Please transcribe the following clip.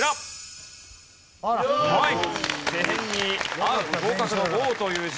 手へんに「合う」合格の「合」という字。